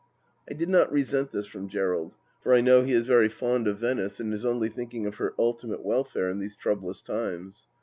I did not resent this from Gerald, for I know he is very fond of Venice, and is only thinking of her ultimate welfare in these troublous times.